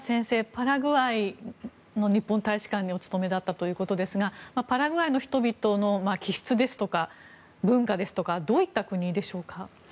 パラグアイの日本大使館にお勤めだったということですがパラグアイの人々の気質ですとか、文化ですとかどういった国でしょうか。